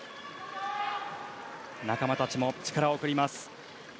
仲間たちも力を送ります。